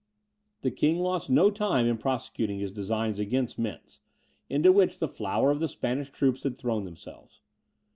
The king lost no time in prosecuting his designs against Mentz, into which the flower of the Spanish troops had thrown themselves.